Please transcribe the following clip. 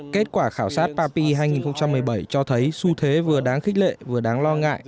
kết quả khảo sát papi hai nghìn một mươi bảy cho thấy xu thế vừa đáng khích lệ vừa đáng lo ngại